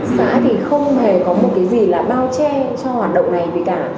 xã thì không hề có một cái gì là bao che cho hoạt động này gì cả